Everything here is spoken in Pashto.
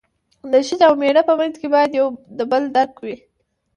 د ښځې او مېړه په منځ کې باید یو د بل درک وي.